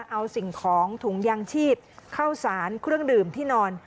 เอาสิ่งของถุงยางชีพเข้าสารเครื่องดื่มที่นอน